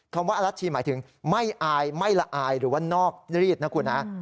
คำว่าอรัชชีหมายถึงไม่อายไม่ละอายหรือว่านอกรีดนะคุณฮะ